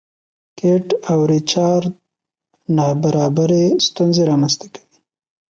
کیټ او ریچارډ نابرابري ستونزې رامنځته کوي.